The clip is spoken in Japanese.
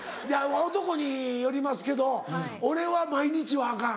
男によりますけど俺は毎日はアカン。